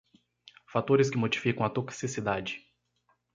Fatores que modificam a toxicidade.